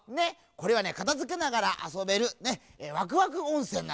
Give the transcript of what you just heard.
これはねかたづけながらあそべるねワクワクおんせんなのです。